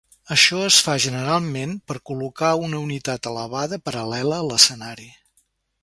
Això es fa generalment per col·locar una unitat elevada paral·lela a l'escenari.